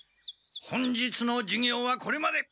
本日の授業はこれまで。